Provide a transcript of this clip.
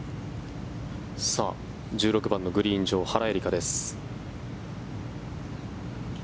１６番のグリーン上原英莉花です。